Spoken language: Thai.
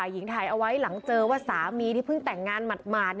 หญิงถ่ายเอาไว้หลังเจอว่าสามีที่เพิ่งแต่งงานหมาด